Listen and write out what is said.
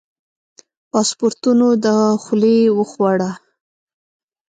پاسپورتونو دخولي وخوړه.